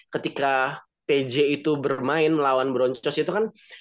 ketika pj itu bermain melawan broncos itu kan